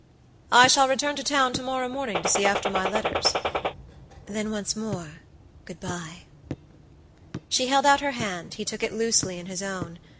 "I shall return to town to morrow morning to see after my letters." "Then once more good by." She held out her hand; he took it loosely in his own.